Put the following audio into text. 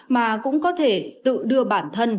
mà cũng có thể tự đưa bản thân